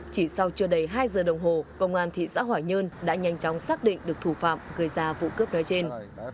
chỉ sau chưa đầy hai giờ đồng hồ công an thị xã hoài nhơn đã nhanh chóng xác định được thủ phạm gây ra vụ cướp nói trên